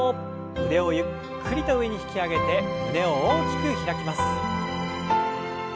腕をゆっくりと上に引き上げて胸を大きく開きます。